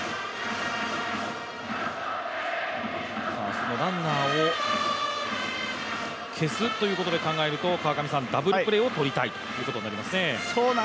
そのランナーを消すということで考えるとダブルプレーをとりたいということになりますね。